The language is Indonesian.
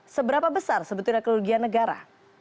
seberapa besar sebetulnya kerugian negara